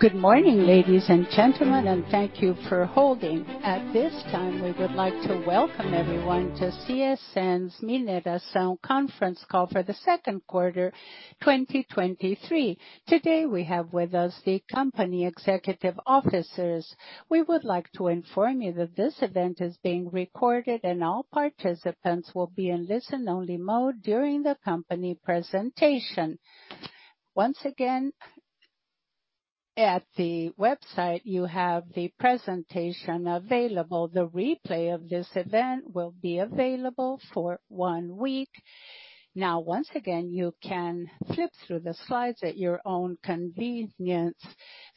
Good morning, ladies and gentlemen, and thank you for holding. At this time, we would like to welcome everyone to CSN's Mineração Conference Call for the Second Quarter, 2023. Today, we have with us the company executive officers. We would like to inform you that this event is being recorded, and all participants will be in listen-only mode during the company presentation. Once again, at the website, you have the presentation available. The replay of this event will be available for one week. Once again, you can flip through the slides at your own convenience.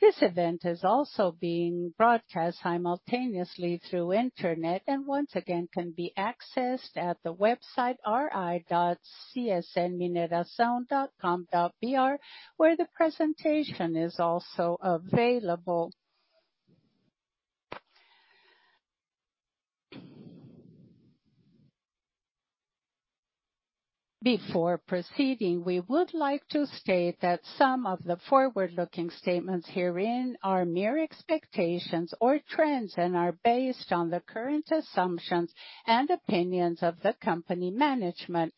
This event is also being broadcast simultaneously through internet, once again, can be accessed at the website ri.csnmineracao.com.br, where the presentation is also available. Before proceeding, we would like to state that some of the forward-looking statements herein are mere expectations or trends, are based on the current assumptions and opinions of the company management.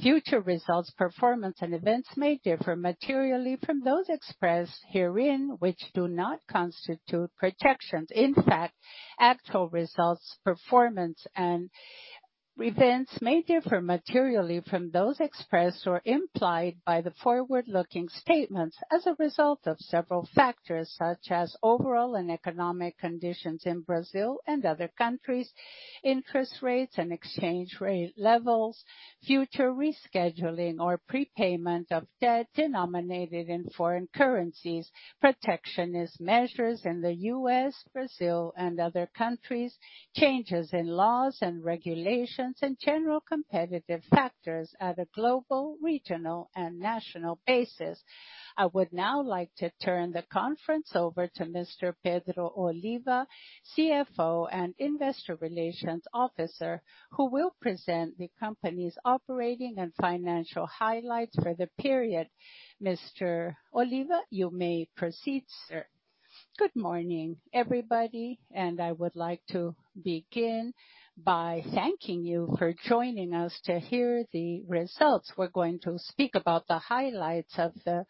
Future results, performance, and events may differ materially from those expressed herein, which do not constitute projections. In fact, actual results, performance and events may differ materially from those expressed or implied by the forward-looking statements as a result of several factors, such as overall and economic conditions in Brazil and other countries, interest rates and exchange rate levels, future rescheduling or prepayment of debt denominated in foreign currencies, protectionist measures in the U.S., Brazil, and other countries, changes in laws and regulations, and general competitive factors at a global, regional, and national basis. I would now like to turn the conference over to Mr. Pedro Oliva, CFO and Investor Relations Officer, who will present the company's operating and financial highlights for the period. Mr. Oliva, you may proceed, sir. Good morning, everybody, I would like to begin by thanking you for joining us to hear the results. We're going to speak about the highlights of the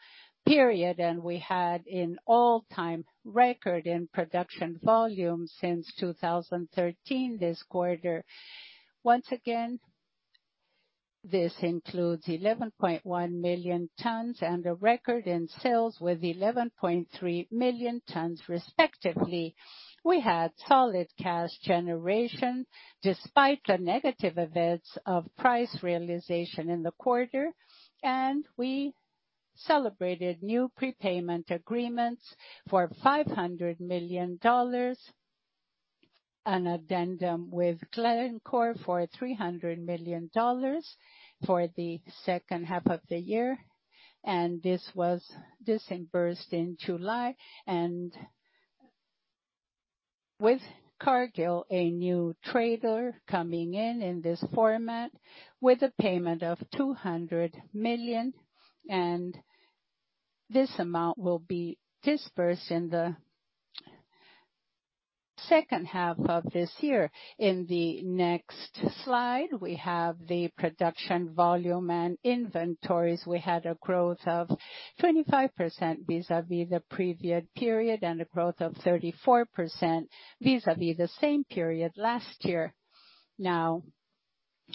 period, and we had an all-time record in production volume since 2013 this quarter. Once again, this includes 11.1 million tons and a record in sales with 11.3 million tons, respectively. We had solid cash generation despite the negative events of price realization in the quarter, we celebrated new prepayment agreements for $500 million, an addendum with Glencore for $300 million for the second half of the year, this was disbursed in July. With Cargill, a new trader coming in, in this format, with a payment of 200 million, and this amount will be disbursed in the second half of this year. In the next slide, we have the production volume and inventories. We had a growth of 25% vis-à-vis the previous period, and a growth of 34% vis-à-vis the same period last year. Now,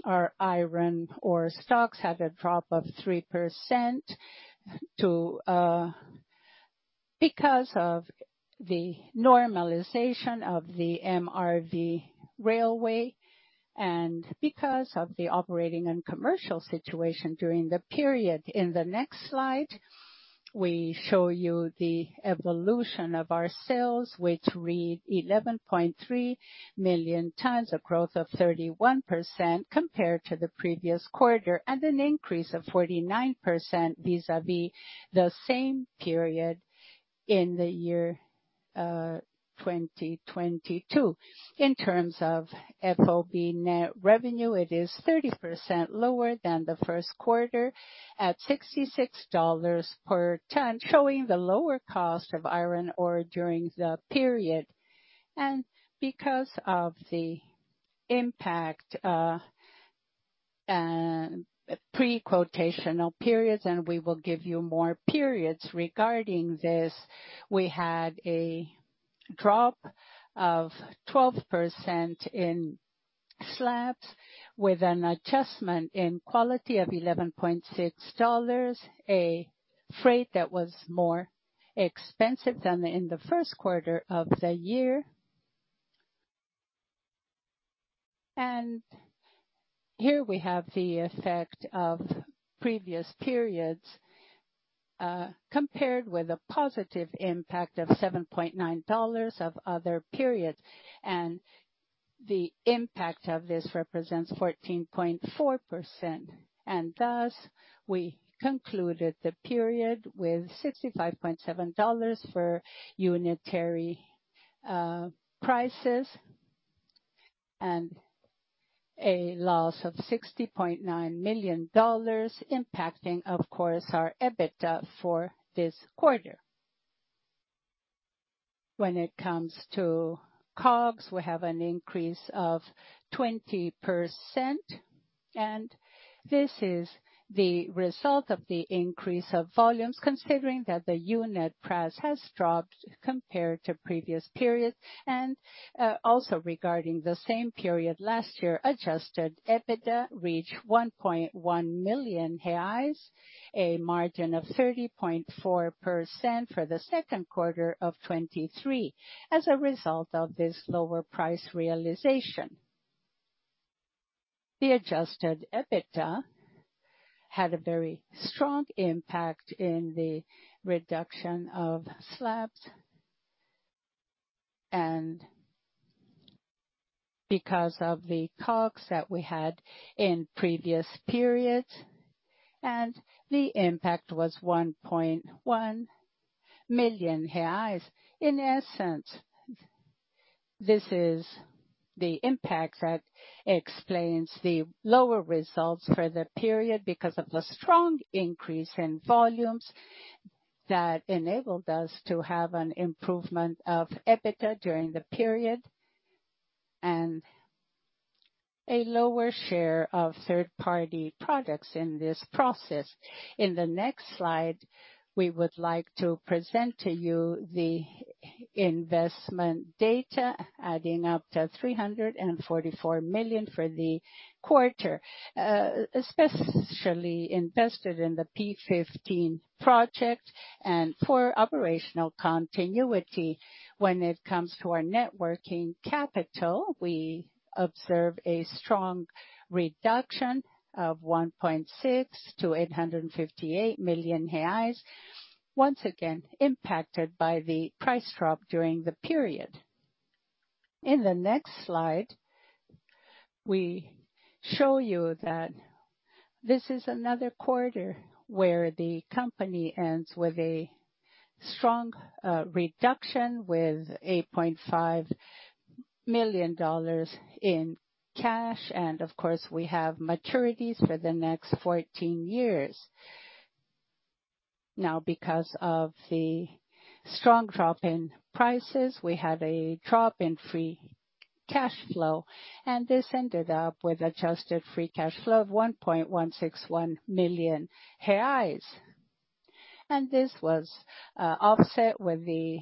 our iron ore stocks had a drop of 3% because of the normalization of the MRS railway and because of the operating and commercial situation during the period. In the next slide, we show you the evolution of our sales, which read 11.3 million tons, a growth of 31% compared to the previous quarter, and an increase of 49% vis-à-vis the same period in the year 2022. In terms of FOB net revenue, it is 30% lower than the first quarter at $66 per ton, showing the lower cost of iron ore during the period. Because of the impact, and pre-quotational periods, and we will give you more periods regarding this, we had a drop of 12% in slabs, with an adjustment in quality of $11.6, a freight that was more expensive than in the first quarter of the year. Here we have the effect of previous periods, compared with a positive impact of $7.9 of other periods, and the impact of this represents 14.4%. Thus, we concluded the period with $65.7 for unitary prices. And a loss of $60.9 million, impacting, of course, our EBITDA for this quarter. When it comes to COGS, we have an increase of 20%, this is the result of the increase of volumes, considering that the unit price has dropped compared to previous periods. Also, regarding the same period last year, adjusted EBITDA reached 1.1 million reais, a margin of 30.4% for the second quarter of 2023, as a result of this lower price realization. The adjusted EBITDA had a very strong impact in the reduction of slabs, because of the COGS that we had in previous periods, the impact was 1.1 million reais. In essence, this is the impact that explains the lower results for the period, because of the strong increase in volumes that enabled us to have an improvement of EBITDA during the period, a lower share of third-party products in this process. In the next slide, we would like to present to you the investment data, adding up to 344 million for the quarter, especially invested in the P15 project and for operational continuity. When it comes to our net working capital, we observe a strong reduction of 1.6 billion-858 million reais. Once again, impacted by the price drop during the period. In the next slide, we show you that this is another quarter where the company ends with a strong reduction with $8.5 million in cash. Of course, we have maturities for the next 14 years. Because of the strong drop in prices, we had a drop in free cash flow, and this ended up with adjusted free cash flow of 1.161 million reais. This was offset with the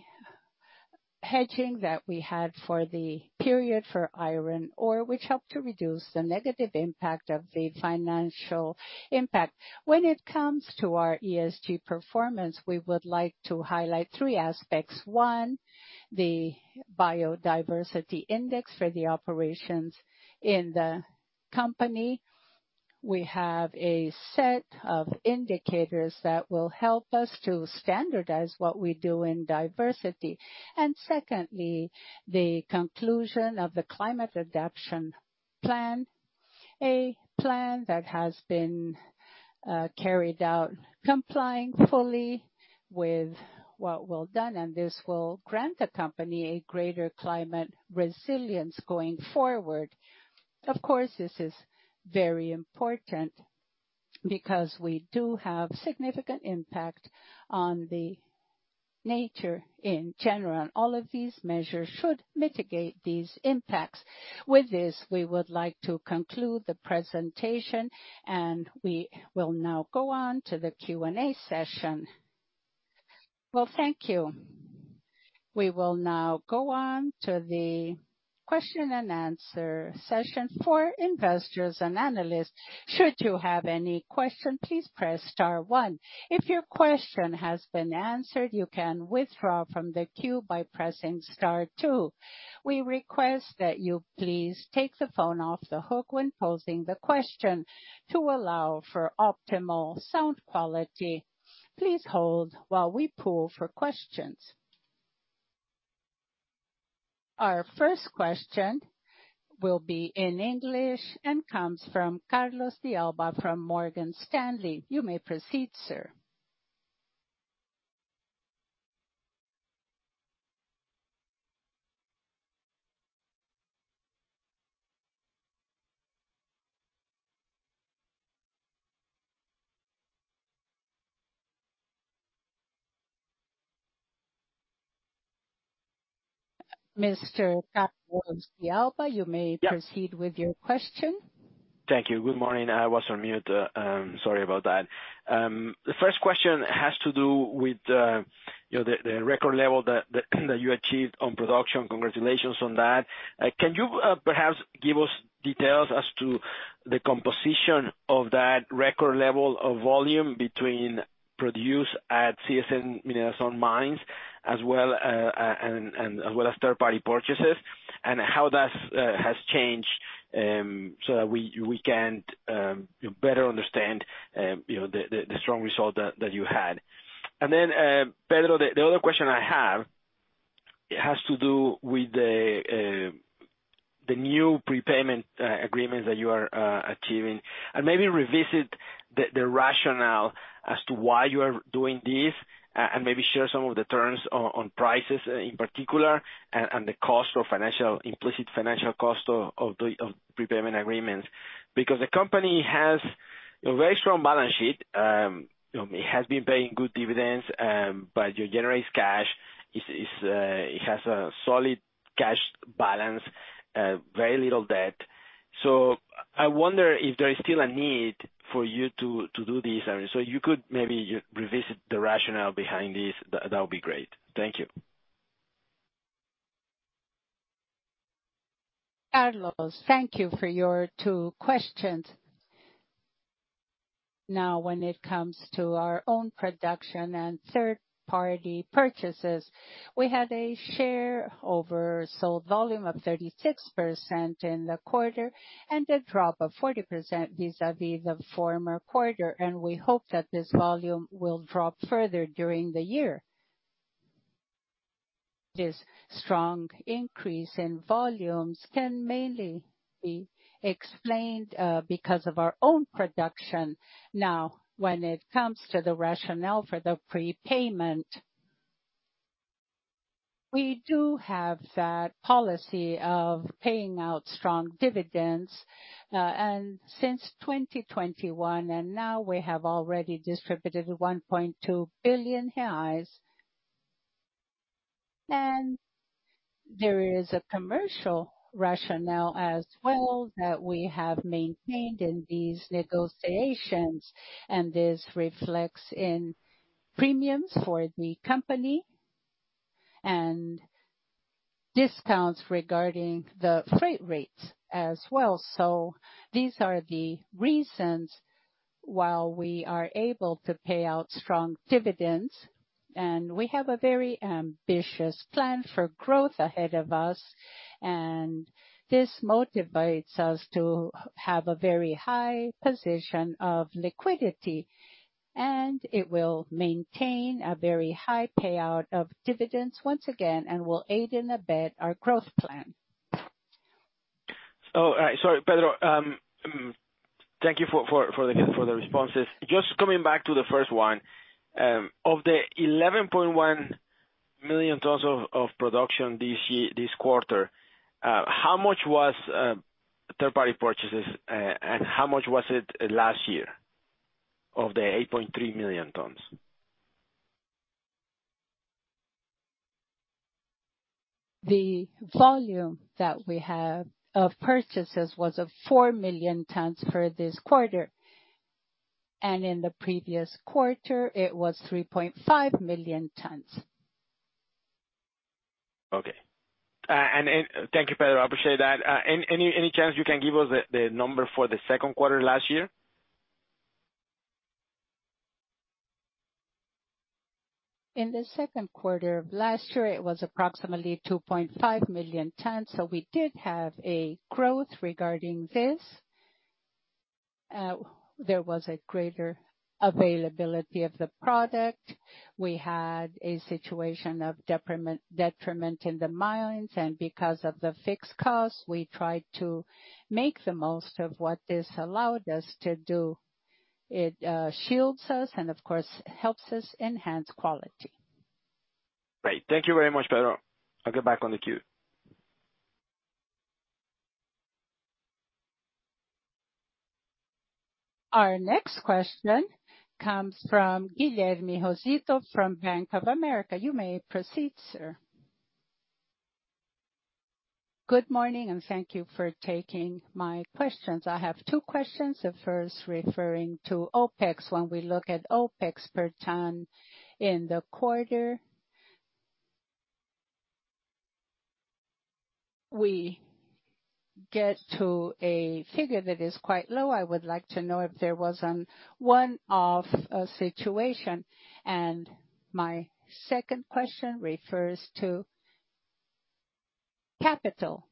hedging that we had for the period for iron ore, which helped to reduce the negative impact of the financial impact. When it comes to our ESG performance, we would like to highlight three aspects. One, the biodiversity index for the operations in the company. We have a set of indicators that will help us to standardize what we do in diversity. Secondly, the conclusion of the climate adaptation plan, a plan that has been carried out, complying fully with what well done, and this will grant the company a greater climate resilience going forward. Of course, this is very important because we do have significant impact on the nature in general, and all of these measures should mitigate these impacts. With this, we would like to conclude the presentation, and we will now go on to the Q&A session. Well, thank you. We will now go on to the question-and-answer session for investors and analysts. Should you have any questions, please press star one. If your question has been answered, you can withdraw from the queue by pressing star two. We request that you please take the phone off the hook when posing the question to allow for optimal sound quality. Please hold while we poll for questions. Our first question will be in English and comes from Carlos de Alba from Morgan Stanley. You may proceed, sir. Mr. Carlos de Alba, you may Yes. Proceed with your question. Thank you. Good morning. I was on mute, sorry about that. The first question has to do with, you know, the record level that you achieved on production. Congratulations on that. Can you perhaps give us details as to the composition of that record level of volume between produce at CSN Mineração mines, as well, and as well as third-party purchases, and how that has changed so that we can better understand, you know, the strong result that you had? Then, Pedro, the other question I have, it has to do with the new prepayment agreements that you are achieving. Maybe revisit the rationale as to why you are doing this, and maybe share some of the terms on, on prices, in particular, and the cost of financial implicit financial cost of, of the, of prepayment agreements. Because the company has a very strong balance sheet. You know, it has been paying good dividends, but it generates cash. It's, it has a solid cash balance, very little debt. I wonder if there is still a need for you to, to do this. You could maybe revisit the rationale behind this, that would be great. Thank you. Carlos, thank you for your two questions. Now, when it comes to our own production and third-party purchases, we had a share oversold volume of 36% in the quarter, a drop of 40% vis-a-vis the former quarter, and we hope that this volume will drop further during the year. This strong increase in volumes can mainly be explained because of our own production. Now, when it comes to the rationale for the prepayment, we do have that policy of paying out strong dividends since 2021, now we have already distributed 1.2 billion reais. There is a commercial rationale as well, that we have maintained in these negotiations, and this reflects in premiums for the company and discounts regarding the freight rates as well. These are the reasons why we are able to pay out strong dividends, and we have a very ambitious plan for growth ahead of us, and this motivates us to have a very high position of liquidity. It will maintain a very high payout of dividends once again and will aid and abet our growth plan. Sorry, Pedro. Thank you for, for, for the, for the responses. Just coming back to the first one of the 11.1 million tons of production this year, this quarter, how much was third-party purchases, and how much was it last year, of the 8.3 million tons? The volume that we have of purchases was of four million tons for this quarter. In the previous quarter, it was 3.5 million tons. Okay, and thank you, Pedro. I appreciate that. Any chance you can give us the number for the second quarter last year? In the second quarter of last year, it was approximately 2.5 million tons. We did have a growth regarding this. There was a greater availability of the product. We had a situation of detriment in the mines, and because of the fixed cost, we tried to make the most of what this allowed us to do. It shields us and, of course, helps us enhance quality. Great. Thank you very much, Pedro. I'll get back on the queue. Our next question comes from Guilherme Rosito from Bank of America. You may proceed, sir. Good morning, thank you for taking my questions. I have two questions. The first referring to OpEx. When we look at OpEx per ton in the quarter, we get to a figure that is quite low. I would like to know if there was an one-off situation. My second question refers to capital.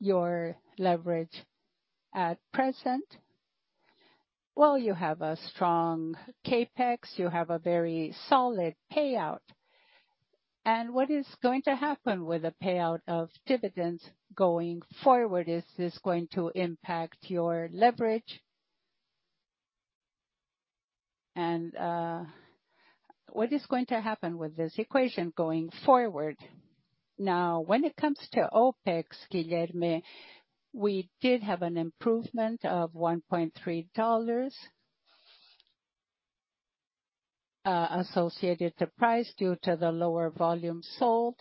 Your leverage at present. Well, you have a strong CapEx, you have a very solid payout. What is going to happen with the payout of dividends going forward? Is this going to impact your leverage? What is going to happen with this equation going forward? Now, when it comes to OpEx, Guilherme, we did have an improvement of $1.3 associated to price due to the lower volume sold.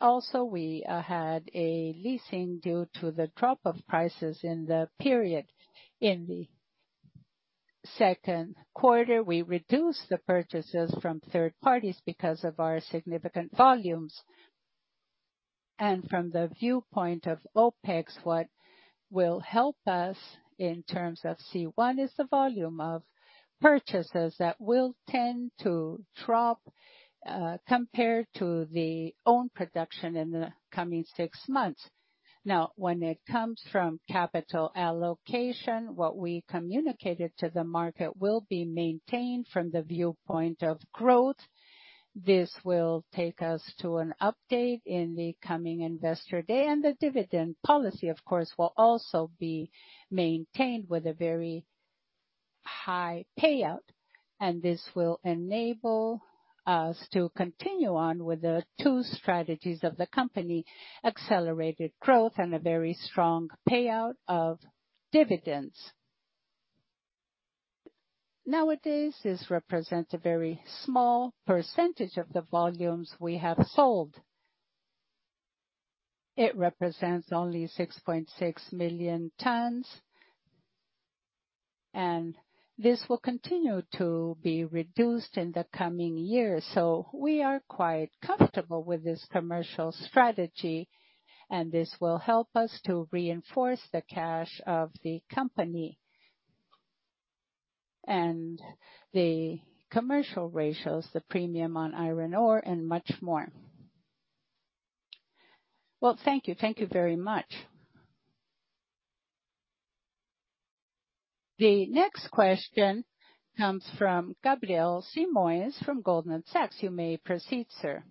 Also, we had a leasing due to the drop of prices in the period. In the second quarter, we reduced the purchases from third parties because of our significant volumes. From the viewpoint of OpEx, what will help us in terms of C1, is the volume of purchases that will tend to drop compared to the own production in the coming six months. When it comes from capital allocation, what we communicated to the market will be maintained from the viewpoint of growth. This will take us to an update in the coming investor day, and the dividend policy, of course, will also be maintained with a high payout, and this will enable us to continue on with the two strategies of the company: accelerated growth and a very strong payout of dividends. Nowadays, this represents a very small percentage of the volumes we have sold. It represents only 6.6 million tons, and this will continue to be reduced in the coming years. We are quite comfortable with this commercial strategy, and this will help us to reinforce the cash of the company. The commercial ratios, the premium on iron ore, and much more. Well, thank you. Thank you very much. The next question comes from Gabriel Simoes from Goldman Sachs. You may proceed, sir.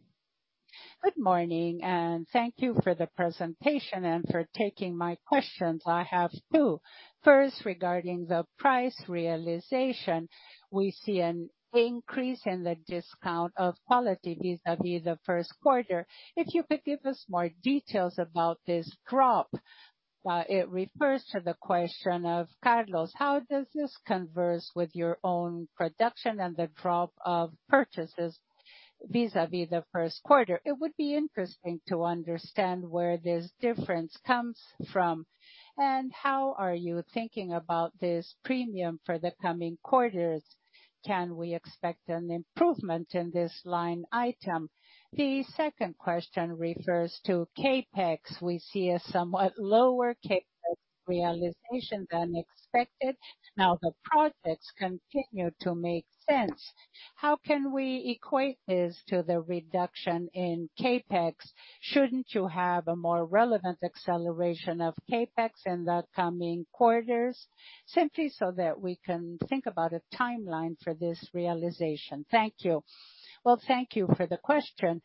Good morning, and thank you for the presentation and for taking my questions. I have two. First, regarding the price realization, we see an increase in the discount of quality vis-a-vis the first quarter. If you could give us more details about this drop, it refers to the question of Carlos. How does this converse with your own production and the drop of purchases vis-a-vis the first quarter? It would be interesting to understand where this difference comes from, and how are you thinking about this premium for the coming quarters? Can we expect an improvement in this line item? The second question refers to CapEx. We see a somewhat lower CapEx realization than expected. Now, the projects continue to make sense. How can we equate this to the reduction in CapEx? Shouldn't you have a more relevant acceleration of CapEx in the coming quarters? Simply so that we can think about a timeline for this realization. Thank you. Well, thank you for the question.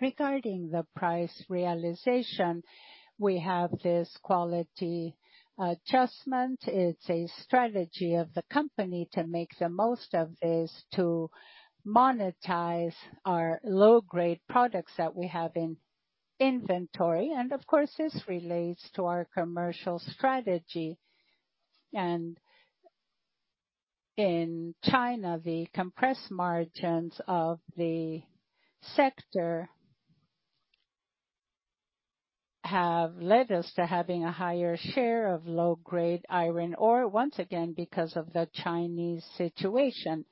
Regarding the price realization, we have this quality adjustment. It's a strategy of the company to make the most of this, to monetize our low-grade products that we have in inventory, of course, this relates to our commercial strategy. In China, the compressed margins of the sector have led us to having a higher share of low-grade iron ore, once again, because of the Chinese situation.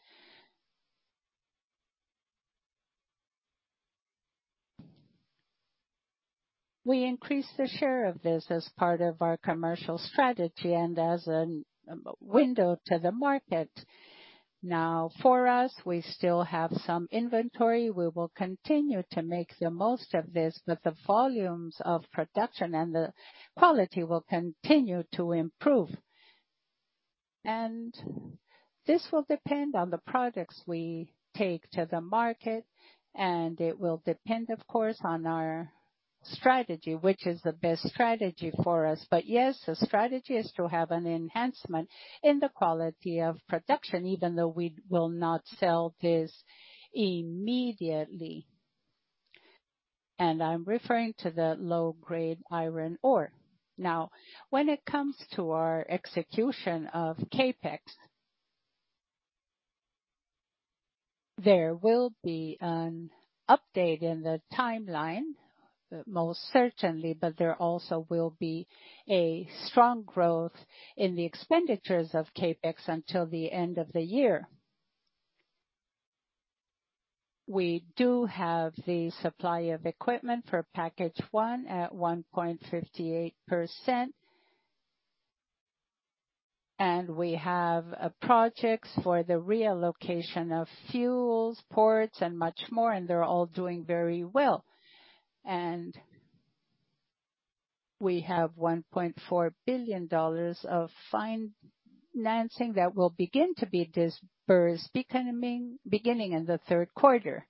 We increased the share of this as part of our commercial strategy and as an window to the market. Now, for us, we still have some inventory. We will continue to make the most of this, the volumes of production and the quality will continue to improve. This will depend on the products we take to the market, and it will depend, of course, on our strategy, which is the best strategy for us. Yes, the strategy is to have an enhancement in the quality of production, even though we will not sell this immediately. I'm referring to the low-grade iron ore. Now, when it comes to our execution of CapEx, there will be an update in the timeline, most certainly, but there also will be a strong growth in the expenditures of CapEx until the end of the year. We do have the supply of equipment for Package 1 at 1.58%, and we have projects for the reallocation of fuels, ports, and much more, and they're all doing very well. We have $1.4 billion of financing that will begin to be disbursed beginning in the third quarter.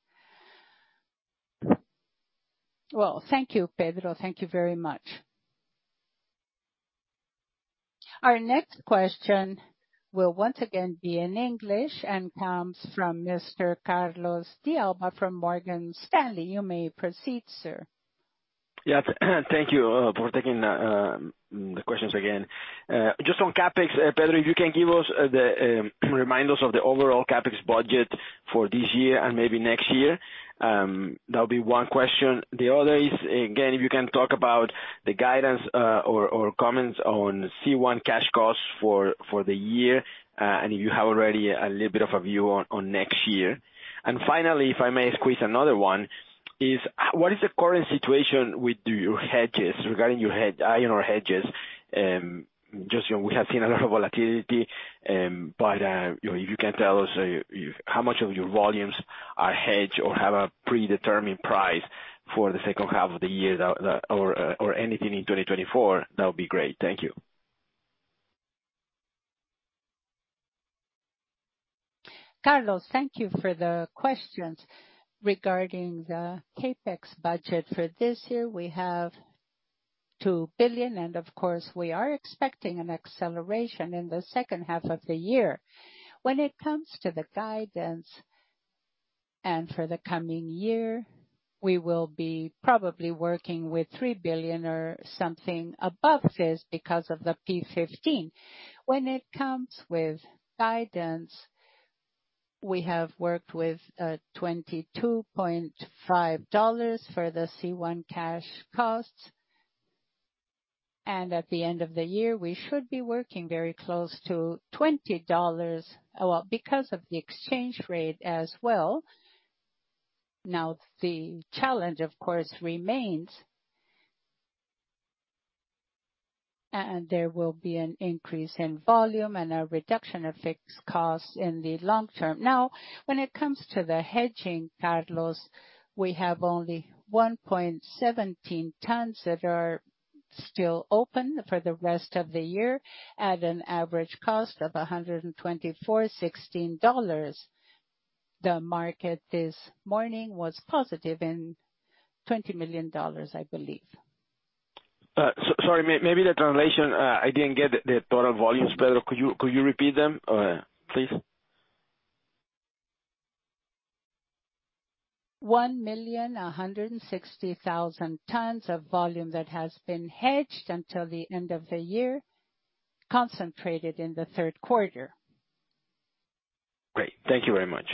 Well, thank you, Pedro. Thank you very much. Our next question will once again be in English and comes from Mr. Carlos de Alba from Morgan Stanley. You may proceed, sir. Yeah, thank you, for taking the questions again. Just on CapEx, Pedro, if you can give us the, remind us of the overall CapEx budget for this year and maybe next year. That would be one question. The other is, again, if you can talk about the guidance, or comments on C1 cash costs for the year, and if you have already a little bit of a view on next year. Finally, if I may squeeze another one, is what is the current situation with your hedges, regarding your hedge, iron ore hedges? Just, you know, we have seen a lot of volatility, but, you know, if you can tell us how much of your volumes are hedged or have a predetermined price for the second half of the year that, or anything in 2024, that would be great. Thank you. Carlos, thank you for the questions. Regarding the CapEx budget for this year, we have 2 billion. Of course, we are expecting an acceleration in the second half of the year. When it comes to the guidance and for the coming year, we will be probably working with 3 billion or something above this because of the P15. When it comes with guidance, we have worked with $22.5 for the C1 cash costs, and at the end of the year, we should be working very close to $20 because of the exchange rate as well. Now, the challenge, of course, remains, and there will be an increase in volume and a reduction of fixed costs in the long term. When it comes to the hedging, Carlos, we have only 1.17 tons that are still open for the rest of the year at an average cost of $124.16. The market this morning was positive in $20 million, I believe. Sorry, maybe the translation, I didn't get the total volumes better. Could you, could you repeat them, please? 1,160,000 tons of volume that has been hedged until the end of the year, concentrated in the third quarter. Great. Thank you very much.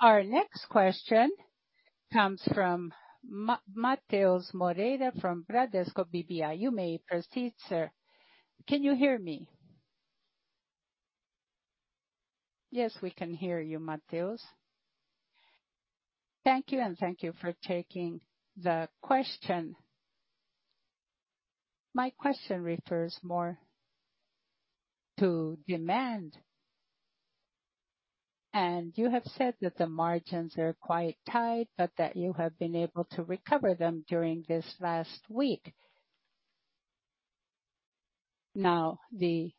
Our next question comes from Matheus Moreira, from Bradesco BBI. You may proceed, sir. Can you hear me? Yes, we can hear you, Matheus. Thank you. Thank you for taking the question. My question refers more to demand, and you have said that the margins are quite tight, but that you have been able to recover them during this last week. The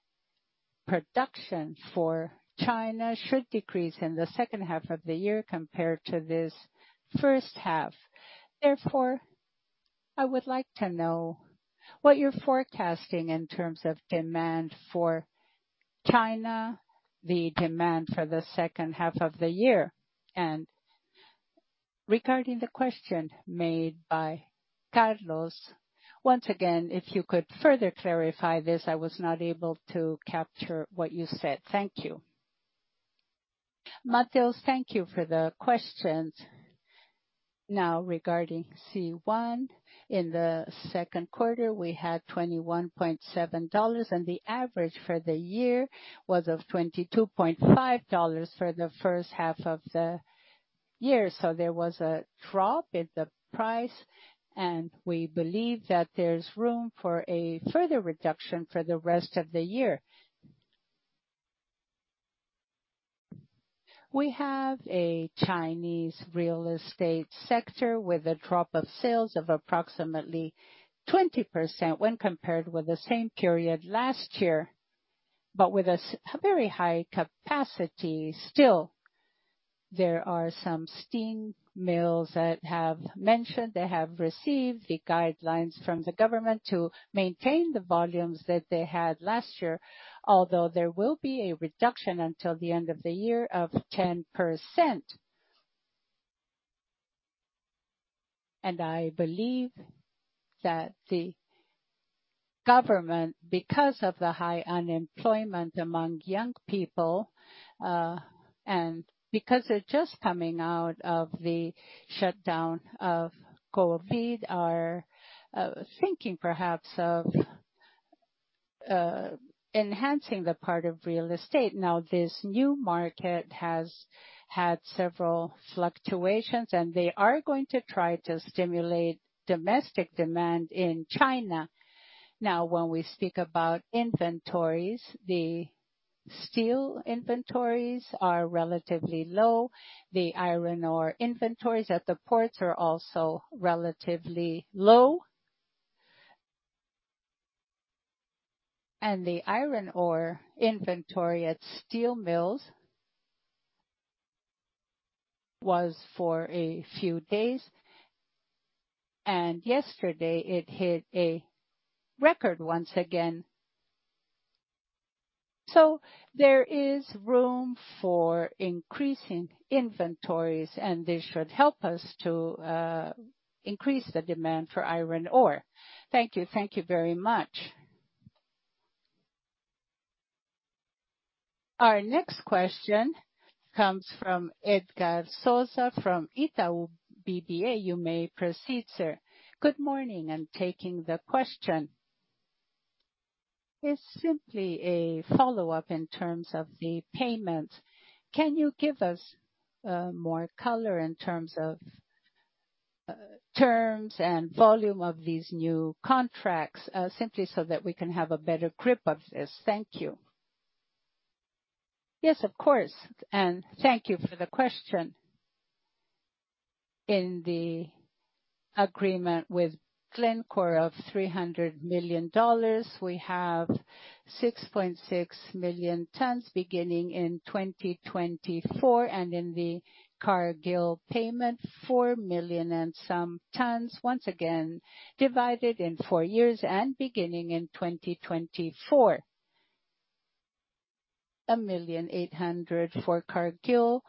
production for China should decrease in the second half of the year compared to this first half. I would like to know what you're forecasting in terms of demand for China, the demand for the second half of the year, and regarding the question made by Carlos, once again, if you could further clarify this, I was not able to capture what you said. Thank you. Matheus, thank you for the questions. Regarding C1, in the second quarter, we had $21.7, and the average for the year was of $22.5 for the first half of the year. There was a drop in the price. We believe that there's room for a further reduction for the rest of the year. We have a Chinese real estate sector with a drop of sales of approximately 20% when compared with the same period last year, with a very high capacity still. There are some steel mills that have mentioned they have received the guidelines from the government to maintain the volumes that they had last year, although there will be a reduction until the end of the year of 10%. I believe that the government, because of the high unemployment among young people, and because they're just coming out of the shutdown of COVID, are thinking perhaps of enhancing the part of real estate. This new market has had several fluctuations, and they are going to try to stimulate domestic demand in China. When we speak about inventories, the steel inventories are relatively low. The iron ore inventories at the ports are also relatively low. The iron ore inventory at steel mills was for a few days, and yesterday it hit a record once again. There is room for increasing inventories, and this should help us to increase the demand for iron ore. Thank you. Thank you very much. Our next question comes from Edgar Sosa, from Itaú BBA. You may proceed, sir. Good morning, and taking the question. It's simply a follow-up in terms of the payments. Can you give us more color in terms of terms and volume of these new contracts, simply so that we can have a better grip of this? Thank you. Yes, of course, and thank you for the question. In the agreement with Glencore of $300 million, we have 6.6 million tons beginning in 2024. In the Cargill payment, four million and some tons, once again, divided in four years and beginning in 2024. $1.8 million for Cargill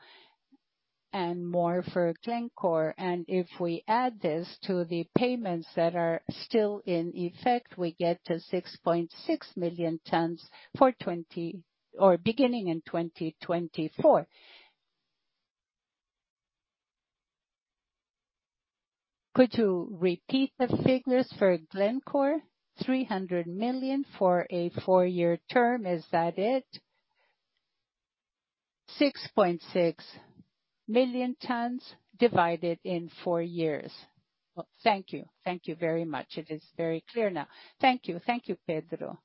and more for Glencore. If we add this to the payments that are still in effect, we get to 6.6 million tons for 2024. Could you repeat the figures for Glencore? $300 million for a four-year term, is that it? 6.6 million tons divided in four years. Thank you. Thank you very much. It is very clear now. Thank you. Thank you, Pedro.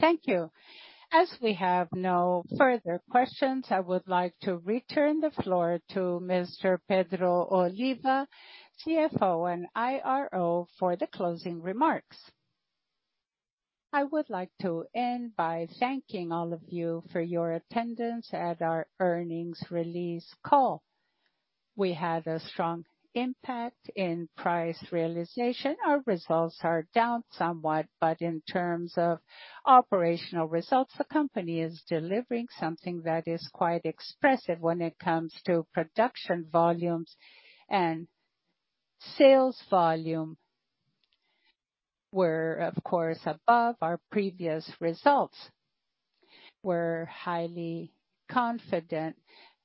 Thank you. As we have no further questions, I would like to return the floor to Mr. Pedro Oliva, CFO and IRO, for the closing remarks. I would like to end by thanking all of you for your attendance at our earnings release call. We had a strong impact in price realization. Our results are down somewhat, but in terms of operational results, the company is delivering something that is quite expressive when it comes to production volumes, and sales volume were, of course, above our previous results. We're highly confident,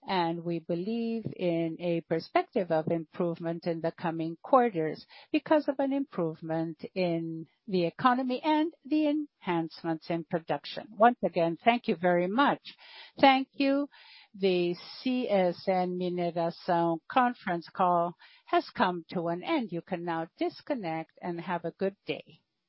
and we believe in a perspective of improvement in the coming quarters because of an improvement in the economy and the enhancements in production. Once again, thank you very much. Thank you. The CSN Mineração conference call has come to an end. You can now disconnect and have a good day.